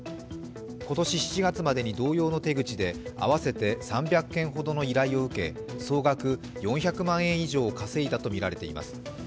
今年７月までに同様の手口で合わせて３００件ほどの依頼を受け総額４００万円以上を稼いだとみられています。